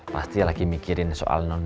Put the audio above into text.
pasti lagi mikirin soal non mel sama pangeran ya